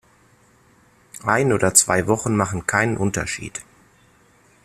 Ein oder zwei Wochen machen keinen Unterschied.